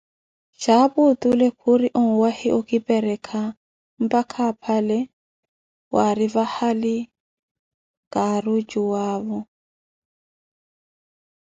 Xhapu otule khuri onwahi okiperekha mpakha aphale, wari vahali karucuwavo.